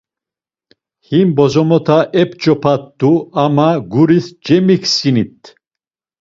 Him bozomota ep̌ç̌opat̆u ama guris cemiksinit.